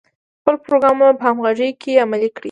خپل پروګرامونه په همغږۍ کې عملي کړي.